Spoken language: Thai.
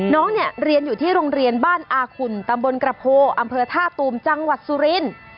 น้องเนี่ยเรียนอยู่ที่โรงเรียนบ้านอาขุนตำบลกระโพอำเภอท่าตูมจังหวัดสุรินทร์